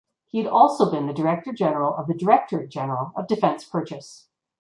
He had also been the Director General of the Directorate General of Defence Purchase.